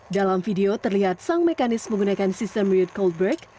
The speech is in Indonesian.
dalam video terlihat sang mekanis menggunakan sistem reed coldbreak